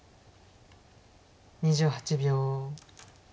２８秒。